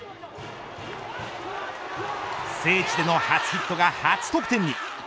聖地での初ヒットが初得点に。